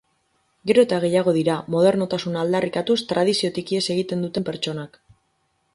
Gero eta gehiago dira, modernotasuna aldarrikatuz, tradiziotik ihes egiten duten pertsonak.